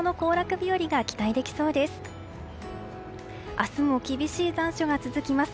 明日も厳しい残暑が続きます。